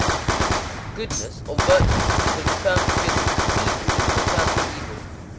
_ Goodness [or, virtue] is the return for goodness; evil is the return for evil.